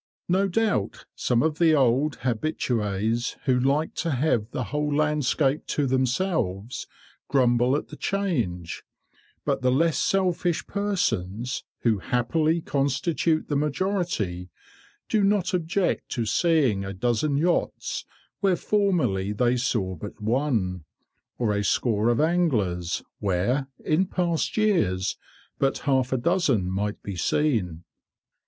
No doubt some of the old habitués, who liked to have the whole landscape to themselves, grumble at the change, but the less selfish persons, who happily constitute the majority, do not object to seeing a dozen yachts where formerly they saw but one, or a score of anglers where in past years but half a dozen might be seen.